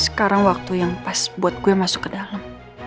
sekarang waktu yang pas buat gue masuk ke dalam